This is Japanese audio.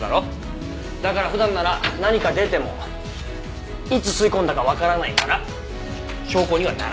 だから普段なら何か出てもいつ吸い込んだかわからないから証拠にはならない。